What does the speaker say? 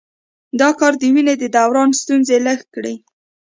دا کار د وینې د دوران ستونزې لږې کړي.